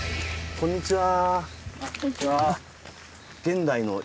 こんにちは。